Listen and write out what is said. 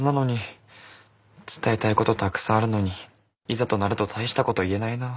伝えたいことたくさんあるのにいざとなると大したこと言えないな。